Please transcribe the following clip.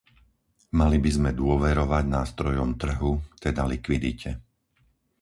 Mali by sme dôverovať nástrojom trhu, teda likvidite.